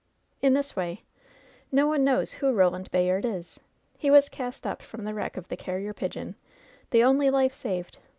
"In this way. No one knows who Roland Bayard is t He was cast up from the vn'eck of the Carrier Pigeon, the only life saved.